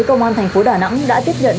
công an thành phố đà nẵng đã tiếp nhận